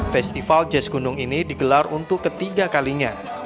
festival jazz gunung ini digelar untuk ketiga kalinya